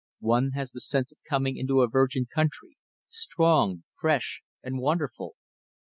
One has the sense of coming into a virgin country, strong, fresh, and wonderful.